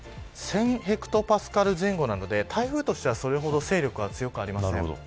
ヘクトパスカル前後なので台風としてはそれほど勢力は強くありません。